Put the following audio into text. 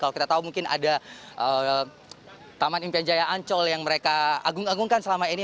kalau kita tahu mungkin ada taman impian jaya ancol yang mereka agung agungkan selama ini